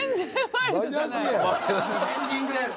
エンディングです